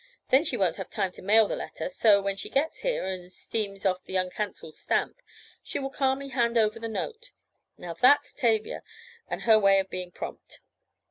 Then she won't have time to mail the letter, so, when she gets here, and steams off the uncancelled stamp, she will calmly hand over the note. Now that's Tavia and her way of being prompt."